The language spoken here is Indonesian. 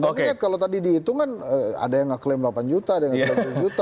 tapi kan kalau tadi dihitung kan ada yang ngeklaim delapan juta ada yang nggak juta